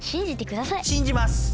信じます！